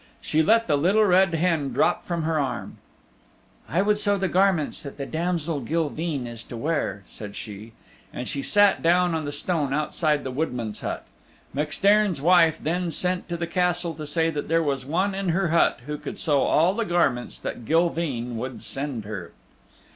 She let the Little Red Hen drop from her arm. "I would sew the garments that the damsel Gilveen is to wear," said she, and she sat down on the stone outside the woodman's hut. MacStairn's wife then sent to the Castle to say that there was one in her hut who could sew all the garments that Gilveen would send her.